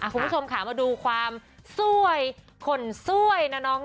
คุณผู้ชมค่ะมาดูความสวยขนสวยนะน้อง